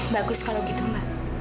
bagus kalau gitu mbak